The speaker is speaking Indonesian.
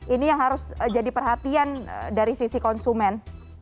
ini yang harus jadi perhatian dari sisi konsumen